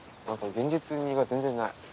何か現実味が全然ない。